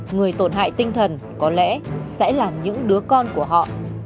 người tổn hại tinh thần có lẽ sẽ là những đứa con của họ